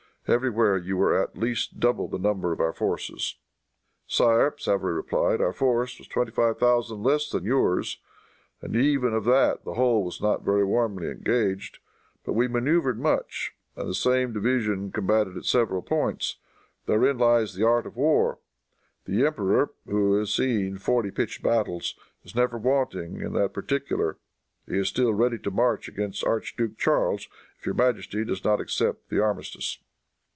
Everywhere you were at least double the number of our forces." "Sire," Savary replied, "our force was twenty five thousand less than yours. And even of that the whole was not very warmly engaged. But we maneuvered much, and the same division combated at several different points. Therein lies the art of war. The emperor, who has seen forty pitched battles, is never wanting in that particular. He is still ready to march against the Archduke Charles, if your majesty does not accept the armistice."